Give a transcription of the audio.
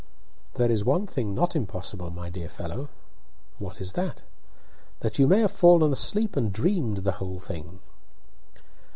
"There is one thing not impossible, my dear fellow." "What is that?" "That you may have fallen asleep and dreamed the whole thing."